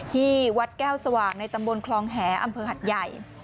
ที่วัดแก้วสว่างในตำบลคลองแหอำเภอหัดใหญ่